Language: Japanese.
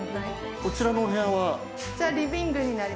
こちらのお部屋は？